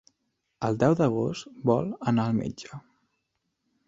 El deu d'agost vol anar al metge.